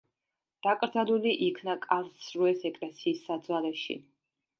დაკრძალული იქნა კარლსრუეს ეკლესიის საძვალეში.